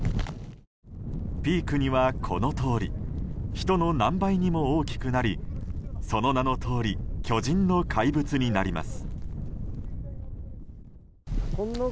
ピークには、このとおり人の何倍にも大きくなりその名のとおり巨人の怪物になります。